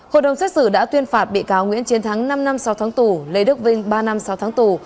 hội đồng xét xử đã tuyên phạt bị cáo nguyễn chiến thắng năm năm sáu tháng tù lê đức vinh ba năm sáu tháng tù